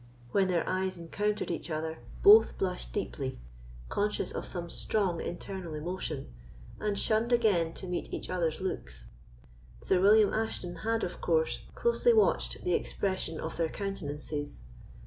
When their eyes encountered each other, both blushed deeply, conscious of some strong internal emotion, and shunned again to meet each other's looks. Sir William Ashton had, of course, closely watched the expression of their countenances.